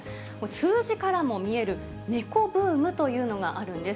数字からも見える猫ブームというのがあるんです。